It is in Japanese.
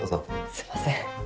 すみません。